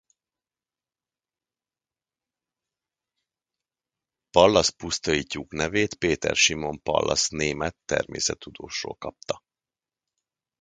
Pallas-pusztaityúk nevét Peter Simon Pallas német természettudósról kapta.